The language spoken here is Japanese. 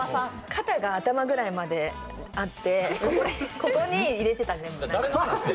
肩が頭ぐらいまであってここに入れてたんじゃ？